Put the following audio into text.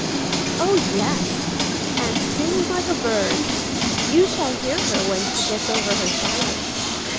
"Oh yes, and sings like a bird. You shall hear her when she gets over her shyness.